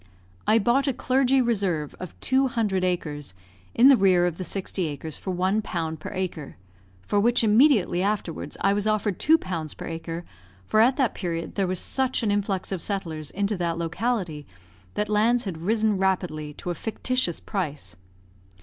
I bought a clergy reserve of two hundred acres, in the rear of the sixty acres for 1 pound per acre, for which immediately afterwards I was offered 2 pounds per acre, for at that period there was such an influx of settlers into that locality that lands had risen rapidly to a fictitious price.